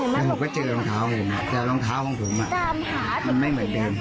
แล้วผมก็เจอรองเท้าผมแต่รองเท้าของผมมันไม่เหมือนเดิม